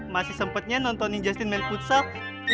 masih sempatnya nontonin justin main futsal